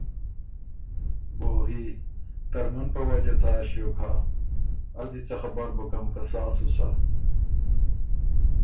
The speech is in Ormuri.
بوغي: ترمُن په وجه څا ݭیوک هۀ؟ از دی څۀ خبر بُکم که سا سو سَۀ،